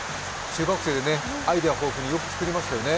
中学生でアイデア豊富によく作りましたよね。